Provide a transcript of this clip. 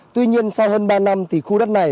tuy nhiên sau hơn ba năm thì khu đất này